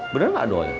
bener nggak doi